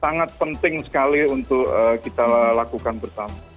sangat penting sekali untuk kita lakukan bersama